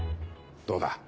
どうだ？